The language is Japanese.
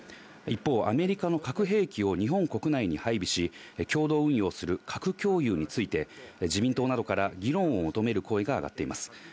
一方、アメリカの核兵器を日本国内に配備し、共同運用する核共有について自民党などから議論を求める声が上がっています。